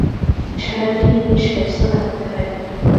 সারাদিনই বেশ ব্যস্ত থাকতে হয়।